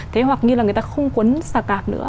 thế hoặc như là người ta không cuốn xà cạp nữa